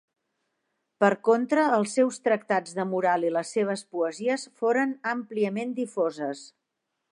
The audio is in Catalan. Per contra, els seus tractats de moral i les seves poesies foren àmpliament difoses.